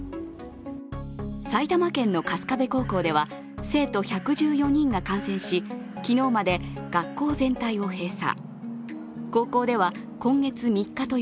埼玉県の春日部高校では生徒１１４人が感染し、昨日まで学校全体を閉鎖。